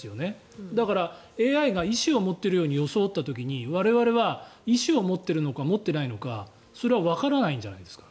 だから、ＡＩが意思を持っているように装った時に意思を持っているのか持っていないのかそれはわからないじゃないですか。